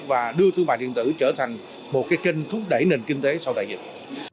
và đưa thương mại điện tử trở thành một cái kênh thúc đẩy nền kinh tế sau đại dịch